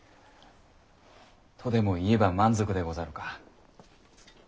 とでも言えば満足でござるか？